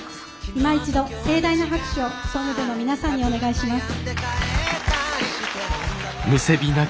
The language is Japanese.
いま一度盛大な拍手を総務部の皆さんにお願いします。